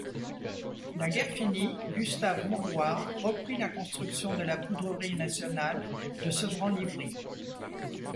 La guerre finie, Gustave Maurouard reprit la construction de la poudrerie nationale de Sevran-Livry.